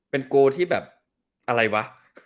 เป็นโกที่แบบอะไรวะ